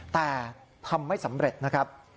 แต่ทำไม่สำเร็จนะครับ